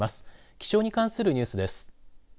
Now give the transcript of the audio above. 気象に関するニュースです。